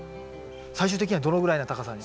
最終的にはどのぐらいの高さに？